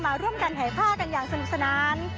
มาร่วมกันแห่ผ้ากันอย่างสนุกสนาน